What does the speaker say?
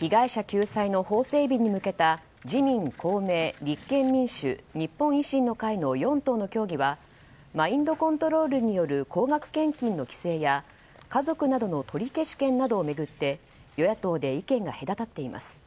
被害者救済の法整備に向けた自民・公明・立憲民主日本維新の会の４党の協議はマインドコントロールによる高額献金の規制や家族などの取消権などを巡って与野党で意見が隔たっています。